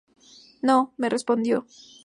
No, me respondió.